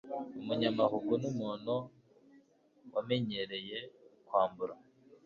Umunyamahugu n'umuntu wamenyereye kwambura,